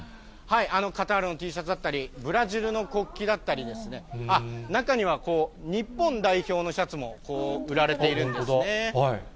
カタールのＴシャツだったり、ブラジルの国旗だったりですね、中には日本代表のシャツも売られているんですね。